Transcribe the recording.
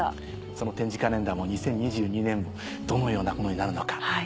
その点字カレンダーも２０２２年どのようなものになるのか。